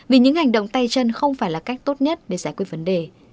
vì những hành động tay chân không phải là cách tốt nhất để giải quyết vấn đề